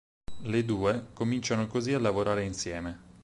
Le due cominciano così a lavorare insieme.